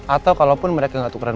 atau kalaupun mereka nggak tukeran